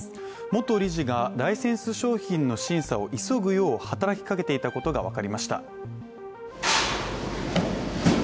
元理事がライセンス商品の審査を急ぐよう働きかけていたことがわかりました。